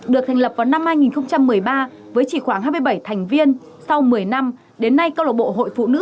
được thành lập vào năm hai nghìn một mươi ba với chỉ khoảng hai mươi bảy thành viên sau một mươi năm đến nay câu lạc bộ hội phụ nữ